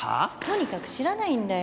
とにかく知らないんだよ。